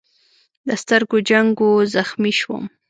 د سترګو جنګ و، زخمي شوم.